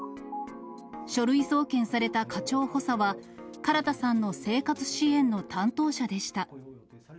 書類送検された課長補佐は、唐田さんの生活支援の担当者でした。